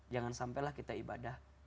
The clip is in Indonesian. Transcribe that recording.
jangan sampelah kita ibadah